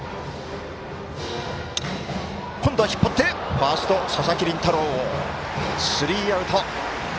ファースト、佐々木麟太郎とってスリーアウト。